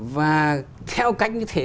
và theo cách như thế